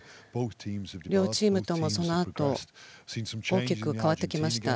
両チームともそのあと大きく変わってきました。